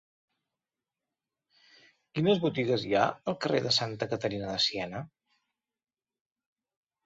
Quines botigues hi ha al carrer de Santa Caterina de Siena?